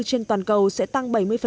trên toàn cầu sẽ tăng bảy mươi